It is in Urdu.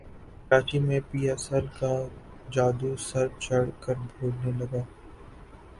کراچی میں پی ایس ایل کا جادو سر چڑھ کر بولنے لگا